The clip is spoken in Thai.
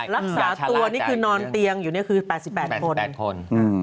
รักษาตัวนี่คือนอนเตียงอยู่นี่คือ๘๘คน